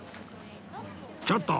ちょっと！